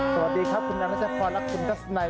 สวัสดีครับคุณนักรักษาความรักคุณดัสนัยครับ